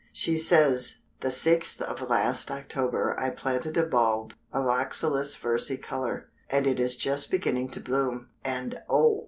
She says: "The sixth of last October I planted a bulb of Oxalis versicolor, and it is just beginning to bloom. And oh!